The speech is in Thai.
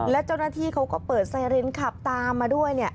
และเจ้าหน้าที่เขาก็เปิดไซรินขับตามมาด้วย